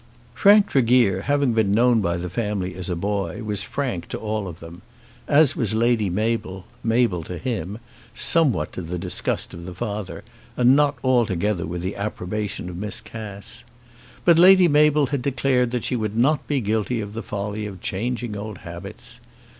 Frank Tregear, having been known by the family as a boy, was Frank to all of them, as was Lady Mabel, Mabel to him, somewhat to the disgust of the father and not altogether with the approbation of Miss Cass. But Lady Mabel had declared that she would not be guilty of the folly of changing old habits.